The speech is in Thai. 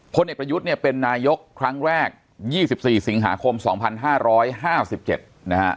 พลเอกประยุทธ์เนี่ยเป็นนายกครั้งแรก๒๔สิงหาคม๒๕๕๗นะฮะ